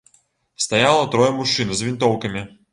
Стаяла трое мужчын з вінтоўкамі.